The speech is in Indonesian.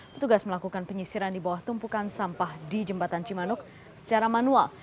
petugas melakukan penyisiran di bawah tumpukan sampah di jembatan cimanuk secara manual